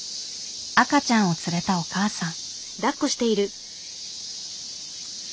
赤ちゃんを連れたお母さん。